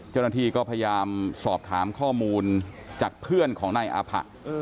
เจ้าหน้าที่ก็พยายามสอบถามข้อมูลจากเพื่อนของนายอาผะ